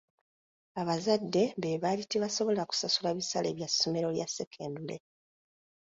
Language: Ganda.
Abazadde be baali tebasobola kusasula bisale bya ssomero lya sekendule.